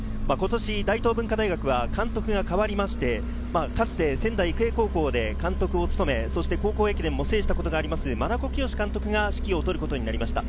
大東文化大学は監督が代わりまして、仙台育英高校で監督を務め、高校駅伝を制したことがある真名子圭監督が指揮を執ることになりました。